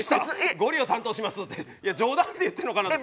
「ゴリを担当します」って冗談で言ってるのかなと。